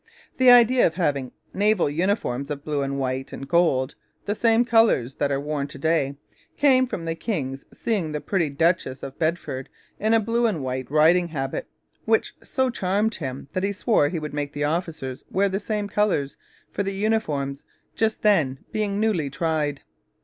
The idea of having naval uniforms of blue and white and gold the same colours that are worn to day came from the king's seeing the pretty Duchess of Bedford in a blue and white riding habit, which so charmed him that he swore he would make the officers wear the same colours for the uniforms just then being newly tried.